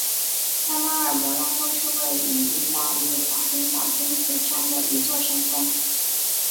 拉马尔摩拉峰是位于义大利撒丁岛真图山的一座山峰。